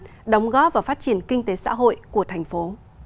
và hỗ trợ doanh nghiệp và kinh tế xã hội của thành phố